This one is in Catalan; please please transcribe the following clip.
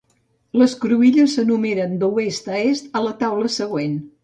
Les cruïlles s'enumeren d'oest a est a la taula següent.